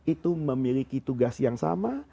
itu memiliki tugas yang sama